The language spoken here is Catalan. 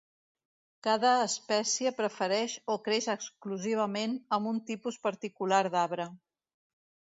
Cada espècie prefereix o creix exclusivament amb un tipus particular d'arbre.